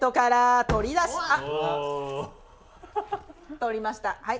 取りましたはい。